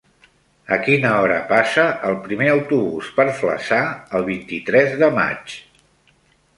A quina hora passa el primer autobús per Flaçà el vint-i-tres de maig?